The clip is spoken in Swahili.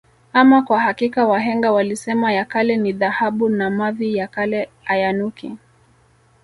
Ama kwa hakika wahenga walisema ya kale ni dhahabu na mavi ya kale ayanuki